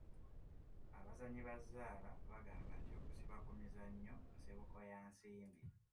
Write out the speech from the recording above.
Abazannyi ba zzaala bagamba nti okusiba ku mizannyo nsibuko ya nsimbi.